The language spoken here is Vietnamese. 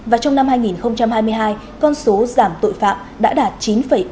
và trong năm hai nghìn hai mươi hai con số giảm tội phạm đã đạt chín bảy mươi năm